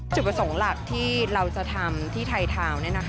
จุดประสงค์หลักที่เราจะทำที่ไทยทาวน์